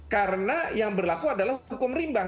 karena yang berlaku adalah hukum rimba